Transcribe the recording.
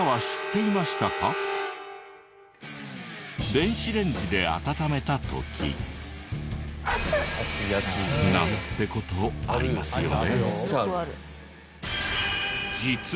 電子レンジで温めた時。なんて事ありますよね？